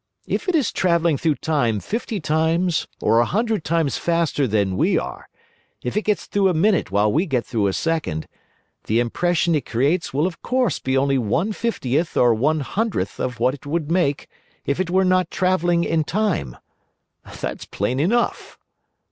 If it is travelling through time fifty times or a hundred times faster than we are, if it gets through a minute while we get through a second, the impression it creates will of course be only one fiftieth or one hundredth of what it would make if it were not travelling in time. That's plain enough."